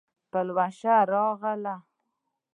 پلوشه راغله